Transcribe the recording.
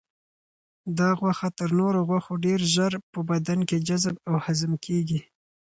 دا غوښه تر نورو غوښو ډېر ژر په بدن کې جذب او هضم کیږي.